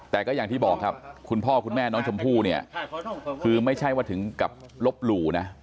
แต่ก็อย่างที่บอกครับคุณพ่อคุณแม่น้องชมพู่เนี่ยคือไม่ใช่ว่าถึงกับลบหลู่นะ